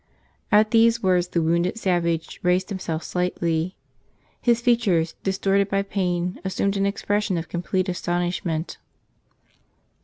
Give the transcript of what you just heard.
At these words the wounded sav¬ age raised himself slightly. His features, distorted by pain, assumed an expression of complete astonishment.